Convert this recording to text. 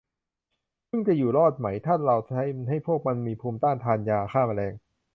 ผึ้งจะอยู่รอดไหมถ้าเราทำให้พวกมันมีภูมิต้นทานยาฆ่าแมลง